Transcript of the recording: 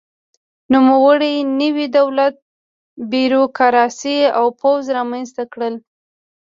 نوموړي نوې دولتي بیروکراسي او پوځ رامنځته کړل.